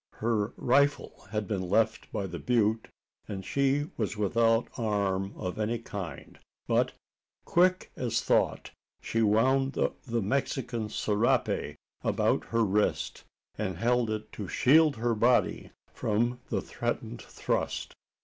Her rifle had been left by the butte, and she was without arm of any kind; but, quick as thought, she wound the Mexican serape about her wrist, and held it to shield her body from the threatened thrust.